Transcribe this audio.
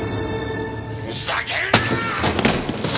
ふざけるな！！